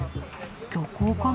漁港かな。